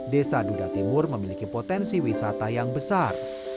desa duda timur memiliki potensi wisata yang besar